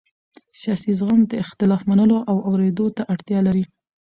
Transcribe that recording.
سیاسي زغم د اختلاف منلو او اورېدو ته اړتیا لري